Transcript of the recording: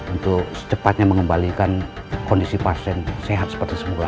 untuk secepatnya mengembalikan kondisi pasien sehat seperti semula